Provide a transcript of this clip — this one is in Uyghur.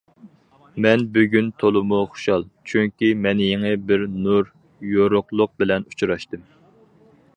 مەن بۈگۈن تولىمۇ خۇشال، چۈنكى مەن يېڭى بىر نۇر يورۇقلۇق بىلەن ئۇچراشتىم.